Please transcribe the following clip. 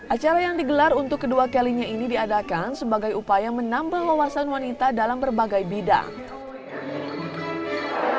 acara yang digelar untuk kedua kalinya ini diadakan sebagai upaya menambah wawasan wanita dalam berbagai bidang